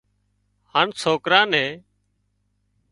هانَ سوڪرا نين